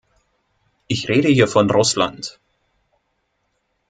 Ich rede hier von Russland.